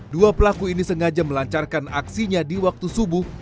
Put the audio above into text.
dua pelaku ini sengaja melancarkan aksinya di waktu subuh